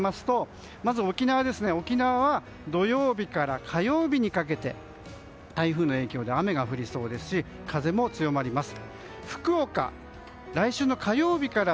まず、沖縄は土曜日から火曜日にかけて台風の影響で雨が降りそうですし風も強まります。